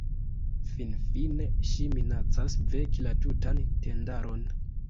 Finfine ŝi minacas veki la tutan tendaron.